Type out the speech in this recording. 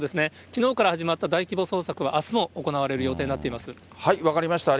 きのうから始まった大規模捜索は、あすも行われる予定になっていま分かりました。